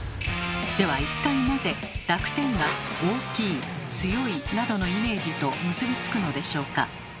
では一体なぜ濁点が大きい強いなどのイメージと結び付くのでしょうか。